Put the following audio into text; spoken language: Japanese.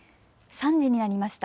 ３時になりました。